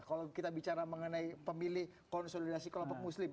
kalau kita bicara mengenai pemilih konsolidasi kelompok muslim